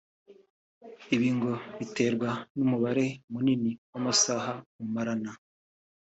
Ibi ngo biterwa n’umubare munini w’amasaha mumarana